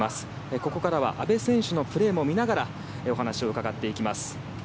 ここからは阿部選手のプレーも見ながらお話を伺っていきます。